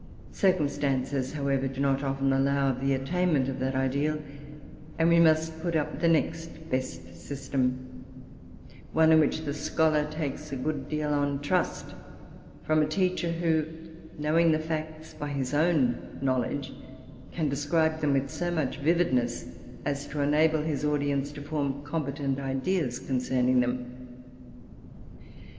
Circumstances, however, do not often allow of the attainment of that ideal, and we must put up with the next best system one in which the scholar takes a good deal on trust from a teacher, who, knowing the facts by his own knowledge, can describe them with so much vividness as to enable his audience to form competent ideas concerning them.